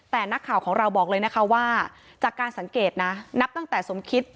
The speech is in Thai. แต่นักข่าวของเราบอกเลยนะคะว่าจากการสังเกตนะนับตั้งแต่สมคิด